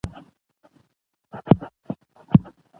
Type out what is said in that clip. آیا غواړئ چې زه د پاتې برخې لپاره هم ورته جملې ترتیب کړم؟